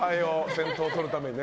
先頭を取るためにね。